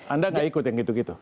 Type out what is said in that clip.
anda gak ikut yang gitu gitu